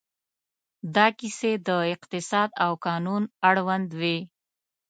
دا کیسې د اقتصاد او قانون اړوند وې.